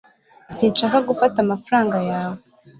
Sinshaka gufata amafaranga yawe